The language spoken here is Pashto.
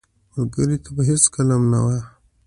ملګری ته به هېڅکله هم نه وایې